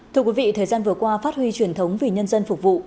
thưa quý vị thời gian vừa qua phát huy truyền thống vì nhân dân phục vụ